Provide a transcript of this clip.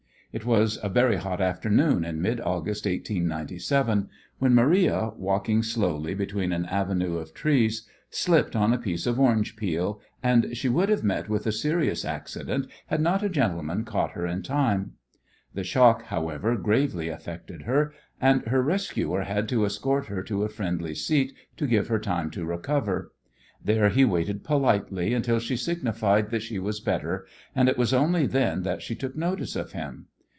It was a very hot afternoon in mid August, 1897, when Maria, walking slowly between an avenue of trees, slipped on a piece of orange peel, and she would have met with a serious accident had not a gentleman caught her in time. The shock, however, gravely affected her, and her rescuer had to escort her to a friendly seat to give her time to recover. There he waited politely until she signified that she was better, and it was only then that she took notice of him.